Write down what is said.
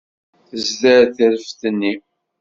Tezder tireft-nni.